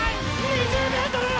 ２０ｍ！！